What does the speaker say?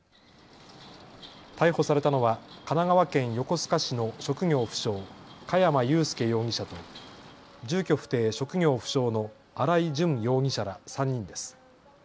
逮捕されたのは神奈川県横須賀市の職業不詳、嘉山祐介容疑者と住居不定、職業不詳の荒井潤容疑者ら３人です。